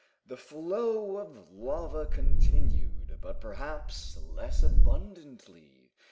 The flow of lava continued, but perhaps less abundantly.